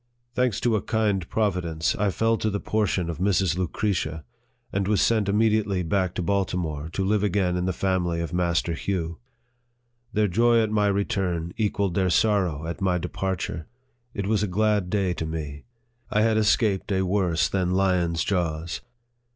Thanks to a kind Providence, I fell to the portion of Mrs. Lucretia, and was sent immediately back to Balti more, to live again in the family of Master Hugh. Their joy at my return equalled their sorrow at my departure. It was a glad day to me. I had escaped a worse than lion's jaws.